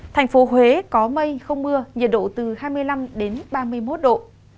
thành phố huế có mây không mưa nhiệt độ từ hai mươi năm đến ba mươi một độ